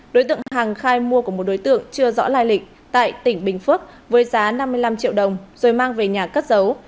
đối tượng hằng khai mua của một đối tượng chưa rõ lai lịch tại tỉnh bình phước với giá năm mươi năm triệu đồng rồi mang về nhà cất giấu